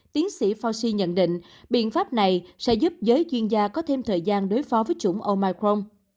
tiến sĩ faushi nhận định biện pháp này sẽ giúp giới chuyên gia có thêm thời gian đối phó với chủng omicron